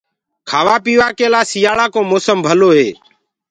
کآوآ پيوآ ڪي لآ سيٚآݪڪو موسم ڀلو هي۔